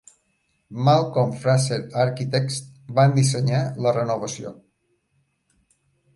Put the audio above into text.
Malcolm Fraser Architects van dissenyar la renovació.